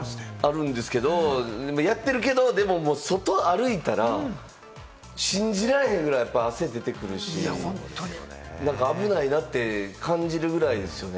やってるけどでも、外歩いたら信じられへんぐらい汗出てくるし、危ないなって感じるぐらいですよね。